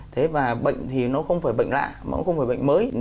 thế và bệnh thì nó không phải bệnh lạ nó không phải bệnh mới